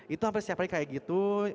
itu hampir setiap hari kayak gitu